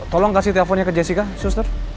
tolong kasih teleponnya ke jessica suster